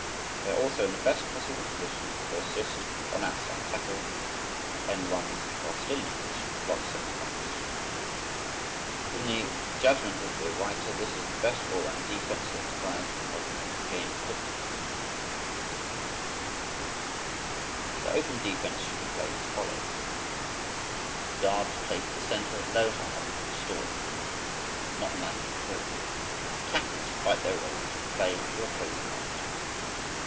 They are also in the best possible position to assist on outside tackle and end runs while still in position to block center bucks. In the judgment of the writer this is the best all round defense yet devised for the modern open game of football. [Illustration: FIG. 5. Open Defense.] The open defense should be played as follows: Guards play to the center, low, hard and stalling, not knifing through. Tackles fight their way into the play through opposing end.